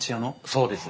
そうです。